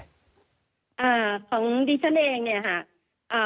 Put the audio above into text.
ของดิฉันเองเนี่ยค่ะ